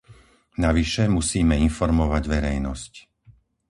Navyše musíme informovať verejnosť.